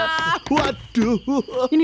mulai besok kalian berdua harus cari ular